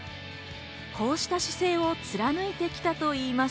こうした姿勢を貫いてきたといいます。